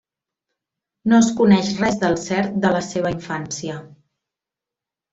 No es coneix res del cert de la seva infància.